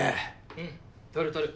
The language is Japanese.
うん取る取る。